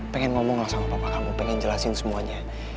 pengen ngomong lah sama papa kamu pengen jelasin semuanya